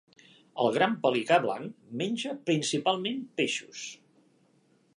El gran pelicà blanc menja principalment peixos.